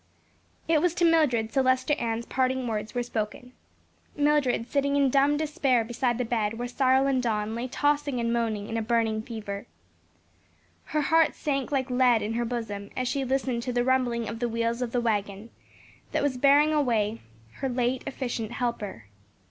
IT was to Mildred Celestia Ann's parting words were spoken, Mildred sitting in dumb despair beside the bed, where Cyril and Don lay tossing and moaning in a burning fever. Her heart sank like lead in her bosom, as she listened to the rumbling of the wheels of the wagon that was bearing away her late efficient helper.